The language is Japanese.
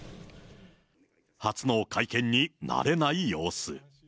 初の会見に慣れない様子。